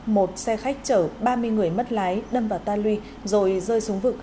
một xe khách chở ba mươi người mất lái đâm vào tan luy rồi rơi xuống vực